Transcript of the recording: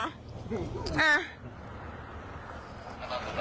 อ่า